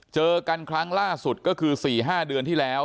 เจอกันครั้งล่าสุดก็คือ๔๕เดือนที่แล้ว